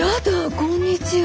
こんにちは。